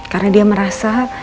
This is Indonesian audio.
karena dia merasa